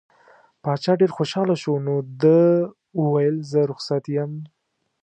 باچا ډېر خوشحاله شو نو ده وویل زه رخصت یم.